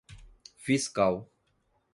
fiscal